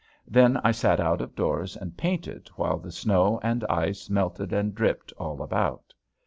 Then I sat out of doors and painted while the snow and ice melted and dripped all about.